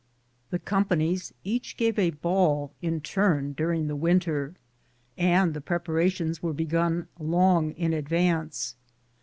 The companies each gave a ball in turn during the winter, and the preparations were begun long in ad vance.